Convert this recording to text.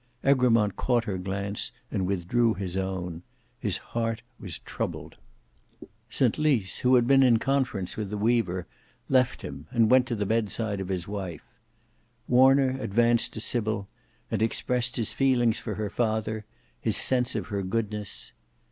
Egremont caught her glance and withdrew his own; his heart was troubled. St Lys. who had been in conference with the weaver, left him and went to the bedside of his wife. Warner advanced to Sybil, and expressed his feelings for her father, his sense of her goodness.